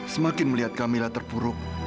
semakin melihat kamila terpuruk